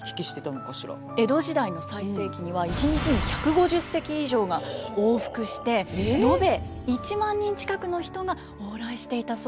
江戸時代の最盛期には一日に１５０隻以上が往復してのべ１万人近くの人が往来していたそうなんですよ。